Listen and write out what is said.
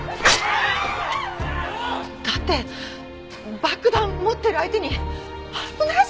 だって爆弾持ってる相手に危ないじゃないですか！